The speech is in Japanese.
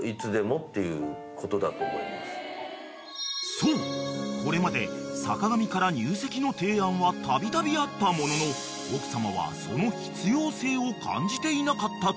［そうこれまで坂上から入籍の提案はたびたびあったものの奥様はその必要性を感じていなかったという］